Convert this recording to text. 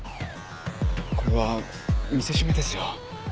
これは見せしめですよ。